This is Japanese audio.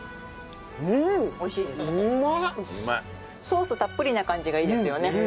ソースたっぷりな感じがいいですよね。